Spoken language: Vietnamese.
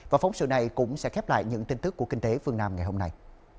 và phóng sự này cũng sẽ khép lại những tin tức của kinh tế phương nam ngày hôm nay